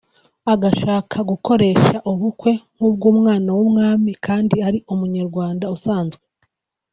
Agashaka gukoresha ubukwe nk’ubw’umwana w’umwami kandi ari Umunyarwanda usanzwe